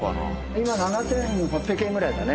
今７８００円ぐらいだね。